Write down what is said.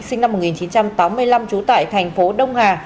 sinh năm một nghìn chín trăm tám mươi năm trú tại thành phố đông hà